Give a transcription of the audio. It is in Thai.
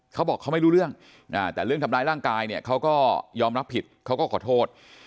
เขาบอกเขาไม่รู้เรื่องแต่เรื่องทำร้ายร่างกายเนี่ยเขาก็ยอมรับผิดเขาก็ขอโทษ